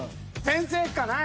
先生かな